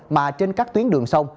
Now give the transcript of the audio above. mà trên các tuyến đường sông